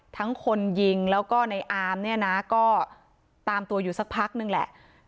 คนยิงแล้วก็ในอามเนี่ยนะก็ตามตัวอยู่สักพักนึงแหละ